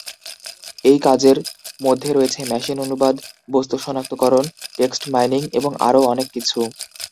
এই কাজের মধ্যে রয়েছে মেশিন অনুবাদ, বস্তু সনাক্তকরণ, টেক্সট মাইনিং এবং আরও অনেক কিছু।